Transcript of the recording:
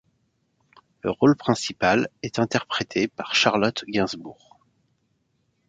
Le rôle principal est interprété par Charlotte Gainsbourg.